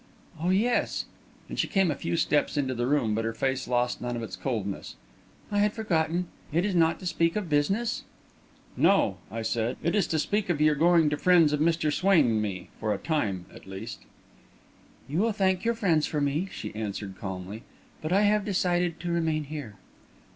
"Oh, yes," and she came a few steps into the room, but her face lost none of its coldness. "I had forgotten. It is not to speak of business?" "No," I said; "it is to speak of your going to friends of Mr. Swain and me for a time, at least." "You will thank your friends for me," she answered, calmly; "but I have decided to remain here."